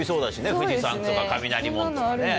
富士山とか雷門とかね。